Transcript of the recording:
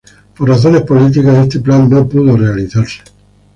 Por razones políticas, este plan no pudo realizarse.